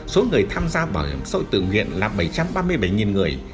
số người tham gia bảo hiểm xã hội tự nguyện là bảy trăm ba mươi bảy người